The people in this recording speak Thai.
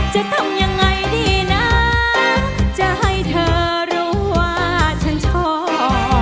จะทำยังไงดีนะจะให้เธอรู้ว่าฉันชอบ